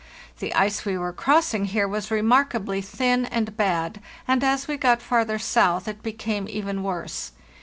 The ice we were crossing here was remarkably thin and bad, and as we got farther south it became even worse.